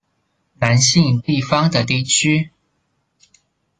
南信地方的地区。